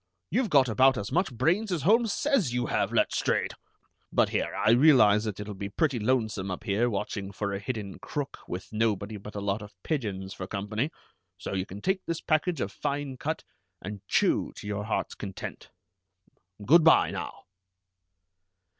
You've got about as much brains as Holmes says you have, Letstrayed. But here, I realize that it'll be pretty lonesome up here watching for a hidden crook with nobody but a lot of pigeons for company, so you can take this package of fine cut, and chew to your heart's content. Good by, now."